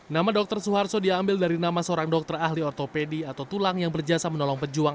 nama dr suharto diambil dari nama seorang dokter ahli ortopedi atau tulang yang berjasa menolong pejuang